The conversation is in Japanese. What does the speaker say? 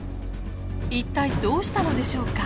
一体どうしたのでしょうか？